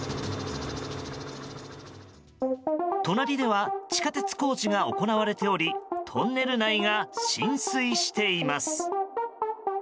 隣では地下鉄工事が行われておりトンネル内が浸水しています。